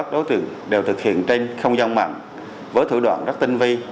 tổ chức đều thực hiện tranh không giao mạng với thủ đoạn rất tinh vi